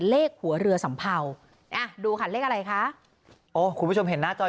เลขหัวเรือสัมเภาอ่ะดูค่ะเลขอะไรคะโอ้คุณผู้ชมเห็นหน้าจอ